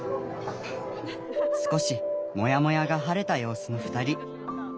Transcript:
少しモヤモヤが晴れた様子の２人。